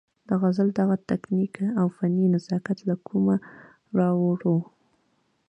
د غزل دغه تکنيک او فني نزاکت له کومه راوړو-